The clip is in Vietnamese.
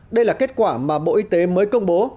đây là kết quả mà bộ y tế mới công bố